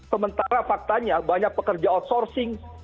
sementara faktanya banyak pekerja outsourcing